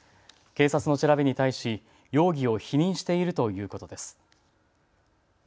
警察の調べに対し容疑を否認しているということです。